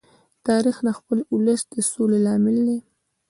تاریخ د خپل ولس د سولې لامل دی.